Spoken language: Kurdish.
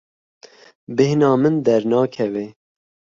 Bêhna min dernakeve.